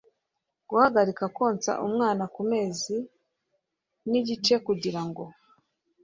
guhagarika konsa umwana ku mezi n igice kugira ngo